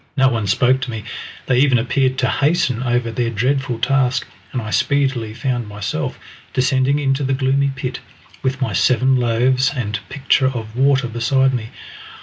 No one spoke to me, they even appeared to hasten over their dreadful task, and I speedily found myself descending into the gloomy pit, with my seven loaves and pitcher of water beside me.